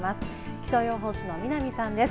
気象予報士の南さんです。